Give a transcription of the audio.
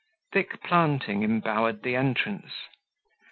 Thick planting embowered the entrance.